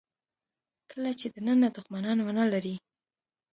کله چې دننه دوښمنان ونه لرئ.